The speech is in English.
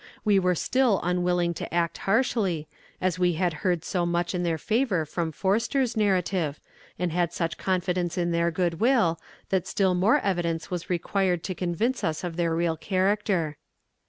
We were still unwilling to act harshly, as we had heard so much in their favour from Forster's narrative, and had such confidence in their good will that still more evidence was required to convince us of their real character.